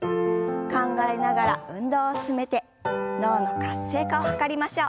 考えながら運動を進めて脳の活性化を図りましょう。